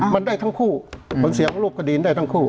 มันได้ทั้งคู่ผลเสียของรูปคดีนได้ทั้งคู่